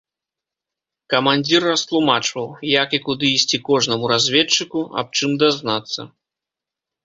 Камандзір растлумачваў, як і куды ісці кожнаму разведчыку, аб чым дазнацца.